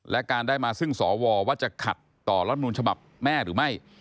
และการได้มาซึ่งสวว่าจะขัดต่อรัฐนูลฉบับแม่หรือไม่